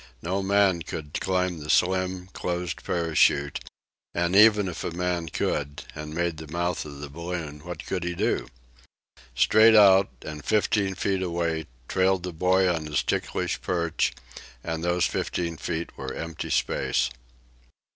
No man could climb the slim, closed parachute; and even if a man could, and made the mouth of the balloon, what could he do? Straight out, and fifteen feet away, trailed the boy on his ticklish perch, and those fifteen feet were empty space.